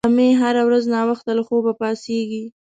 سمیع هره ورځ ناوخته له خوبه پاڅیږي